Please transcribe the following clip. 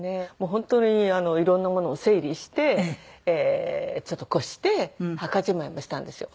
本当に色んなものを整理してちょっと越して墓じまいもしたんですよ。